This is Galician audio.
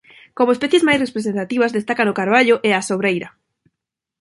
Como especies máis representativas destacan o carballo e a sobreira.